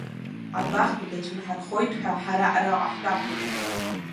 Абахҭа дацәынҳархоит ҳәа ҳара араҟа ҳтәахуп.